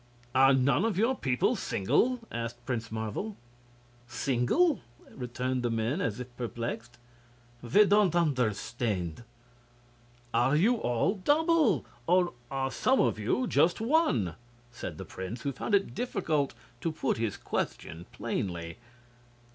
"Are none of your people single?" asked Prince Marvel. "Single," returned the men, as if perplexed. "We don't understand." "Are you all double? or are some of you just one?" said the prince, who found it difficult to put his question plainly.